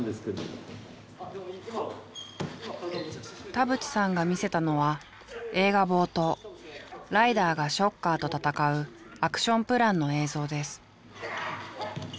田渕さんが見せたのは映画冒頭ライダーがＳＨＯＣＫＥＲと戦うアクションプランの映像です。